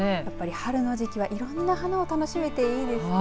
春の時期は、いろんな花を楽しめていいですね。